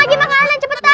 mau lagi makan raden cepetan